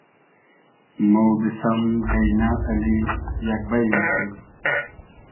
مۉ بیسئم گݷنۂ اللی یئگ بݷ موشی